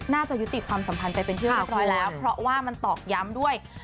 น่าจะยุติความสัมพันธ์ไปเป็นที่เรียบร้อยแล้วเพราะว่ามันตอกย้ำด้วย